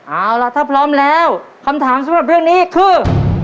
เอาล่ะถ้าพร้อมแล้วคำถามสำหรับเรื่องนี้คือ